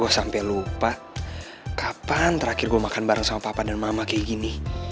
gue sampai lupa kapan terakhir gue makan bareng sama papa dan mama kayak gini